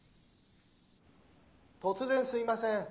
・突然すいません。